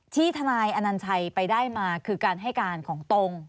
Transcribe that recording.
ที่ทนายอนัญชัยไปได้มาคือการให้การของตรง